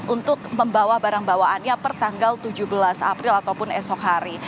untuk membawa barang bawaannya per tanggal tujuh belas april ataupun esok hari